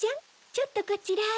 ちょっとこちらへ。